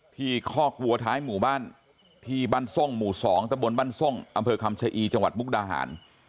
คอกวัวท้ายหมู่บ้านที่บ้านทรงหมู่๒ตะบนบ้านทรงอำเภอคำชะอีจังหวัดมุกดาหาร